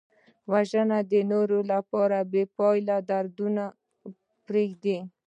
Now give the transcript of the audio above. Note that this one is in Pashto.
وژنه د نورو لپاره بېپایه دردونه پرېږدي